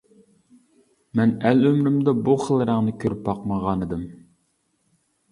مەن ئەل ئۆمرۈمدە بۇ خىل رەڭنى كۆرۈپ باقمىغانىدىم.